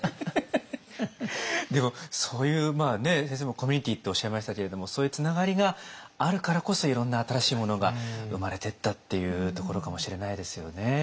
でもそういう先生もコミュニティーっておっしゃいましたけれどもそういうつながりがあるからこそいろんな新しいものが生まれてったっていうところかもしれないですよね。